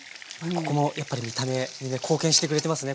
ここもやっぱり見た目にね貢献してくれてますね